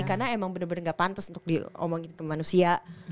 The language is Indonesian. karena emang bener bener gak pantas untuk diomongin ke manusia